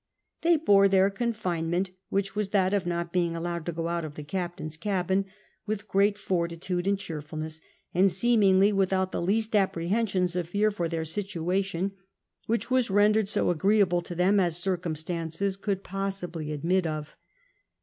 They bore their confinement (which was that of not being allowed to go out of the Captain's cabin) with great fortitude and cheerfulness, .and seemingly without the least apprehensions of fear for their situation, which was rendered as iigreeablc to them os circumstances could possibly admit of.